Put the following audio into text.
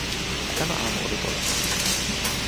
Tämä aamu oli poikkeus.